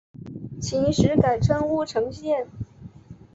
秦时改称乌程县。